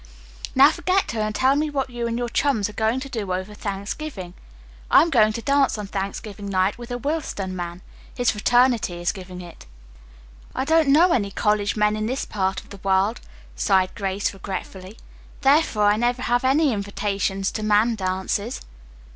"Now forget her, and tell me what you and your chums are going to do over Thanksgiving. I am going to a dance on Thanksgiving night with a Willston man. His fraternity is giving it." "I don't know any college men in this part of the world," sighed Grace regretfully, "therefore I never have any invitations to man dances."